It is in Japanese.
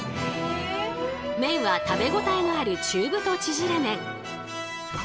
麺は食べ応えのある中太ちぢれ麺。